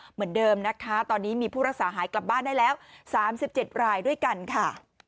เหมือนเดิมนะคะตอนนี้มีผู้รักษาหายกลับบ้านได้แล้ว๓๗รายด้วยกันค่ะ